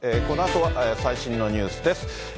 このあとは最新のニュースです。